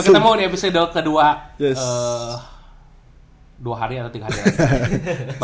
hajar terus langsung sampai ketemu di episode kedua yes dua hari atau tiga hari hahaha